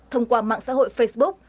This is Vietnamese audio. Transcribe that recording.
thông qua mạng xã hội facebook